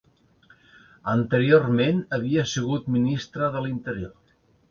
Anteriorment havia sigut ministra de l'Interior.